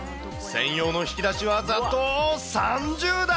専用の引き出しはざっと３０段。